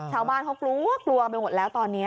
ชาวบ้านเขากลัวกลัวไปหมดแล้วตอนนี้